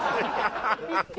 ハハハハ！